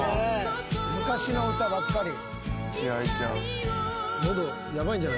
昔の歌ばっかり。